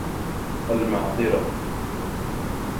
المعذرة؟